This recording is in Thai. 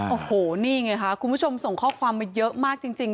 โอ้โหนี่ไงค่ะคุณผู้ชมส่งข้อความมาเยอะมากจริง